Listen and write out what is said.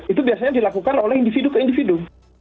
itu biasanya dilakukan oleh individu ke individu